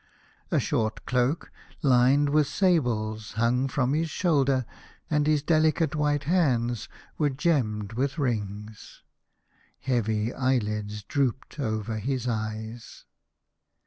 A short cloak lined with sables hung from his shoulder, and his delicate white hands were gemmed with rings. I leavy eyelids drooped over his eyes.